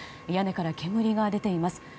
屋根から煙が出ています。